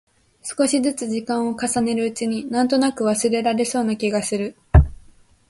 少しづつ時間を重ねるうちに、なんとなく忘れられそうな気がする。